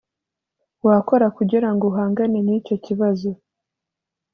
wakora kugira ngo uhangane n icyo kibazo